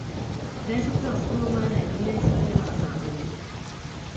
V té zůstala situována jen administrativa a zázemí.